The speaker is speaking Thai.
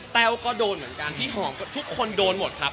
แต้วก็โดนเหมือนกันที่หอมทุกคนโดนหมดครับ